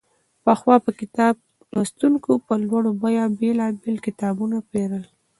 پخوا به کتاب لوستونکو په لوړه بیه بېلابېل کتابونه پېرل.